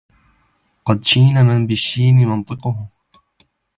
قد شين من بالشين منطقه